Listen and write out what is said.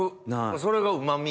それがうま味。